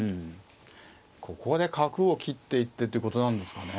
ここで角を切っていってってことなんですかね。